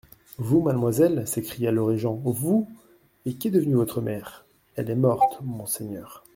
Vous, mademoiselle ! s'écria le régent, vous ! Et qu'est devenue votre mère ? Elle est morte, monseigneur.